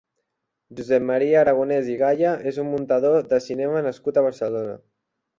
Josep Maria Aragonès i Gaya és un muntador de cinema nascut a Barcelona.